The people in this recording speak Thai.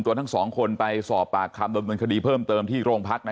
ทั้งสองคนไปสอบปากคำดำเนินคดีเพิ่มเติมที่โรงพักนะ